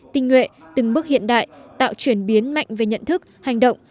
tinh nguệ từng bước hiện đại tạo chuyển biến mạnh về nhận thức hành động